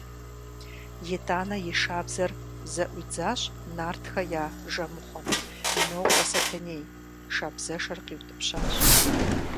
Итӏанэ и шабзэр зэӏуидзащ нартхэ я жэмыхъуэм: – Нокӏуэ, Сэтэней! – шабзэшэр къиутӏыпщащ.